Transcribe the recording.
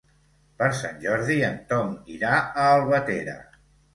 Per Sant Jordi en Tom irà a Albatera.